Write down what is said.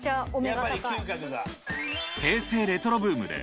平成レトロブームで